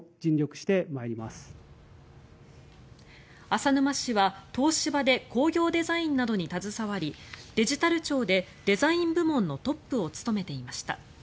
浅沼氏は東芝で工業デザインなどに携わりデジタル庁でデザイン部門のトップを務めていました。